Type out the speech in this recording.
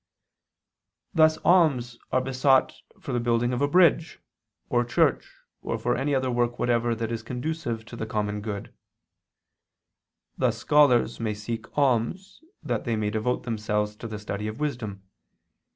Thus alms are besought for the building of a bridge, or church, or for any other work whatever that is conducive to the common good: thus scholars may seek alms that they may devote themselves to the study of wisdom.